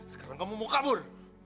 sekarang kamu mau kabur